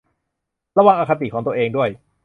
ระวังอคติของตัวเองด้วย